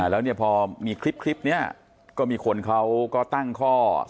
แล้วพอมีคลิปเนี่ยก็มีคนเขาก็ตั้งข้ออุ้ม